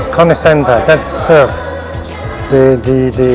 kontak center ini yang membantu